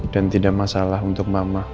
dan tidak masalah untuk mama